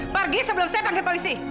margi sebelum saya panggil polisi